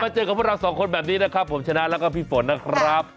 เจอกับพวกเราสองคนแบบนี้นะครับผมชนะแล้วก็พี่ฝนนะครับ